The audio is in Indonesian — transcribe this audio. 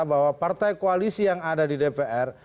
bahwa partai koalisi yang ada di dpr